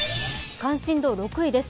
関心度６位です。